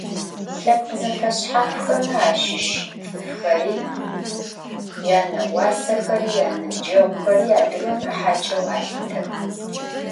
Lhepkh zefeşshafxeme aşış ts'ıfxeri, yane'uasexeri, yanıbceğuxeri adıgeme haç'eu alhıtex.